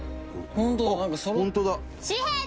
本当だ。